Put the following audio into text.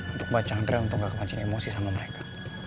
untuk mbak chandra untuk gak kemancing emosi sama mereka